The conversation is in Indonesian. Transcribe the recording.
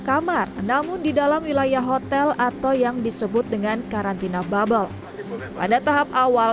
kamar namun di dalam wilayah hotel atau yang disebut dengan karantina bubble pada tahap awal